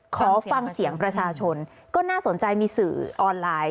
ขอฟังเสียงประชาชนก็น่าสนใจมีสื่อออนไลน์